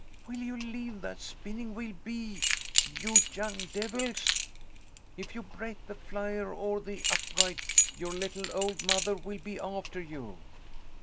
Will you leave that spinning wheel be, you young devils? If you break the flier or the upright, your little old mother will be after you.